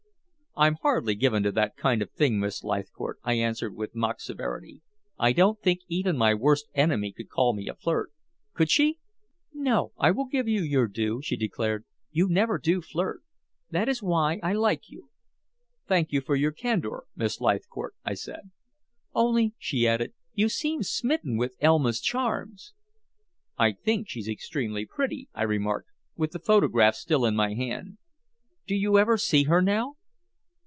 "I'm hardly given to that kind of thing, Miss Leithcourt," I answered with mock severity. "I don't think even my worst enemy could call me a flirt, could she?" "No. I will give you your due," she declared. "You never do flirt. That is why I like you." "Thanks for your candor, Miss Leithcourt," I said. "Only," she added, "you seem smitten with Elma's charms." "I think she's extremely pretty," I remarked, with the photograph still in my hand. "Do you ever see her now?"